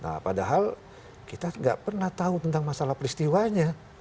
nah padahal kita nggak pernah tahu tentang masalah peristiwanya